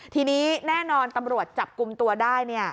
ทีนี้แน่นอนตำรวจจับกลุ่มตัวได้เนี่ย